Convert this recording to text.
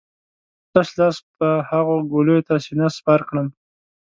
په تش لاس به هغو ګولیو ته سينه سپر کړم.